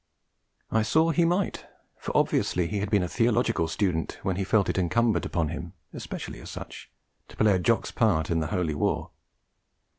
I saw he might; for obviously he had been a theological student when he felt it incumbent upon him (especially as such) to play a Jock's part in the Holy War.